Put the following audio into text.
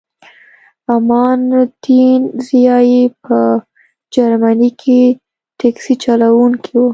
امان الدین ضیایی په جرمني کې ټکسي چلوونکی و